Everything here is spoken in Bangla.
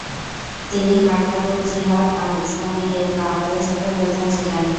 তিনি হরকাতুল-জিহাদ-আল-ইসলামী-এর বাংলাদেশ শাখার প্রধান ছিলেন।